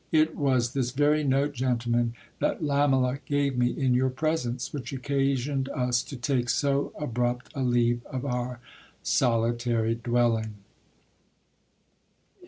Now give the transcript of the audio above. It was this very note, gentlemen, that Lamela gave me in your presence, which occasioned us to take' so abrupt a leave of our solitary dwelling.